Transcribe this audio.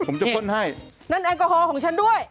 ผมจะพ่นให้นั่นแอลกอฮอลของฉันด้วย